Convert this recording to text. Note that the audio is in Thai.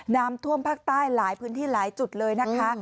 น้ำท่วมภาคใต้หลายพื้นที่หลายจุดเลยนะคะ